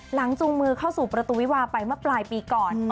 จูงมือเข้าสู่ประตูวิวาไปเมื่อปลายปีก่อน